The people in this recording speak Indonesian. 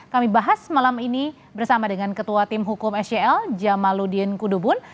kami bahas malam ini bersama dengan ketua tim hukum sel jamaludin kudubun